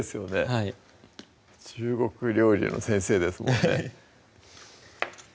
はい中国料理の先生ですもんね